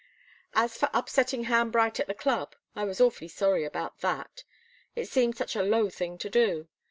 As for upsetting Ham Bright at the club, I was awfully sorry about that. It seemed such a low thing to do.